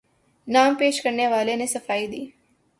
نام پیش کرنے والے نے صفائی دی